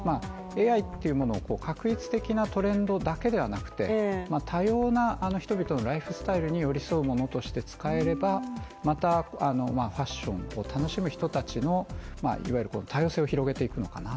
ＡＩっていうものを画一的なトレンドだけではなくて多様な人々のライフスタイルに寄り添うものとして使えればまたファッションを楽しむ人たちのいわゆるこの多様性を広げていくのかな